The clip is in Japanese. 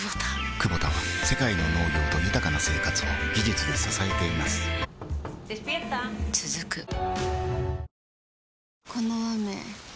クボタは世界の農業と豊かな生活を技術で支えています起きて。